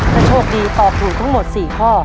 ถ้าโชคดีตอบถูกทั้งหมด๔ข้อ